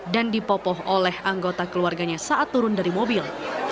dan dipopoh oleh anggota keluarganya saat turun dari mobil